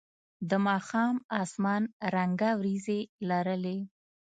د ماښام اسمان رنګه ورېځې لرلې.